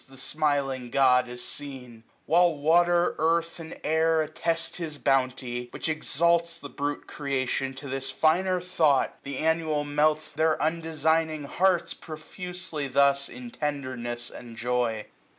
The Smiling God is seen ; while water, earthy And air attest his bounty j which exalts 860 The brute creation to this finer thought. And annual melts their undesigning hearts Profusely thus in tenderness and joy.